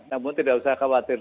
namun tidak usah khawatir